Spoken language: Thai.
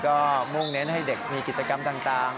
ก็มุ่งเน้นให้เด็กมีกิจกรรมต่าง